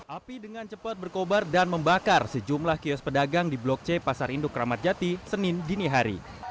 api dengan cepat berkobar dan membakar sejumlah kios pedagang di blok c pasar induk ramadjati senin dini hari